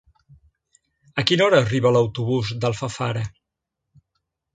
A quina hora arriba l'autobús d'Alfafara?